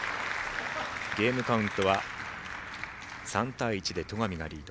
ゲームカウントは３対１で戸上がリード。